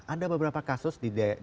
ada beberapa kasus